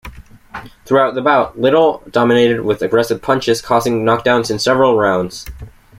Throughout the bout, Liddell dominated with aggressive punches, causing knockdowns in several rounds.